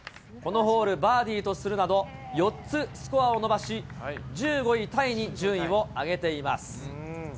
このホール、バーディーとするなど、４つスコアを伸ばし、１５位タイに順位を上げています。